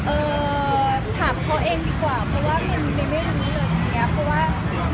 เอ่อถามเขาเองดีกว่าเพราะว่าแม่ไม่รู้เลยแบบนี้